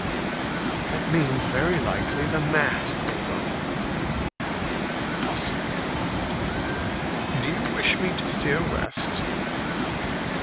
"That means very likely the mast will go." "Possibly." "Do you wish me to steer west?"